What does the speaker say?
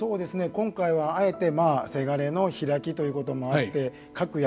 今回はあえてせがれの「披き」ということもあって各役